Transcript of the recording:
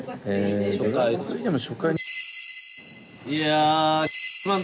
いや。